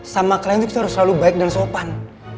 sama klien itu kita harus selalu baik dan sopan